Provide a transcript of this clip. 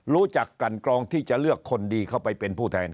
รู้จักกันกรองที่จะเลือกคนดีเข้าไปเป็นผู้แทน